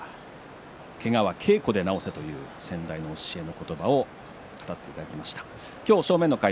「けがは稽古で治せ」という先代の教えを語っていただきました。